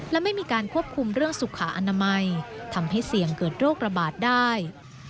และไม่มีการควบคุมเรื่องสุขอนามัยทำให้เสี่ยงเกิดโรคระบาดได้